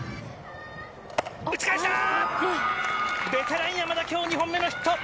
ベテラン山田今日２本目のヒット！